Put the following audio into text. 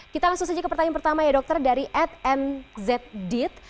kita langsung saja ke pertanyaan pertama ya dokter dari ed m zedit